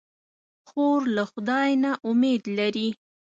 خور له خدای نه امید لري.